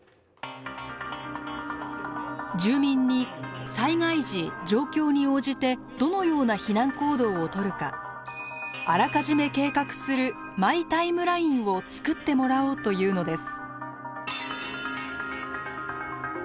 住民に災害時状況に応じてどのような避難行動をとるかあらかじめ計画する「マイ・タイムライン」を作ってもらおうというのです。